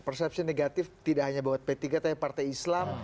persepsi negatif tidak hanya buat p tiga tapi partai islam